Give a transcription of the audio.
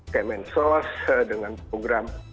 kmn sos dengan program